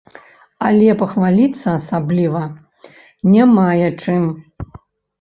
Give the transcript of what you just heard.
Але пахваліцца асабліва не мае чым.